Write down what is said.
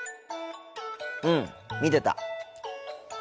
うん見てた。